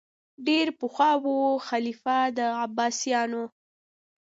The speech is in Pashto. ډېر پخوا وو خلیفه د عباسیانو